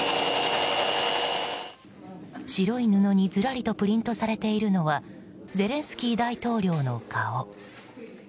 白い布にずらりとプリントされているのはゼレンスキー大統領の顔。